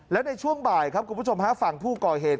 และในช่วงบ่ายครับคุณผู้ชมฮะฝั่งผู้ก่อเหตุ